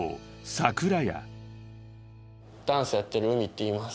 ダンスやってるＵＭＩって言います。